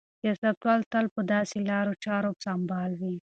سیاستوال تل په داسې لارو چارو سمبال وي.